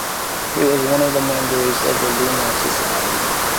He was one of the members of the Lunar Society.